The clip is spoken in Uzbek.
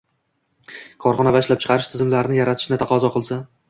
korxona va ishlab chiqarish tizimlarini yaratishni taqozo qilsa